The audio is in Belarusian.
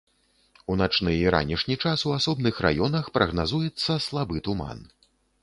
У начны і ранішні час у асобных раёнах прагназуецца слабы туман.